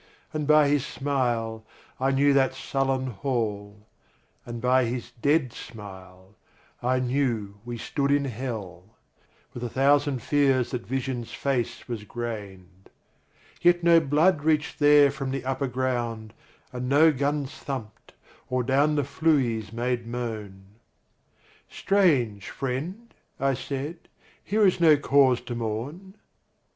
And by his smile, I knew that sullen hall; With a thousand fears that vision's face was grained; Yet no blood reached there from the upper ground, And no guns thumped, or down the flues made moan. "Strange, friend," I said, "Here is no cause to mourn."